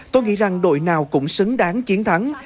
tôi nghĩ rằng đội nào cũng xứng đáng chiến thắng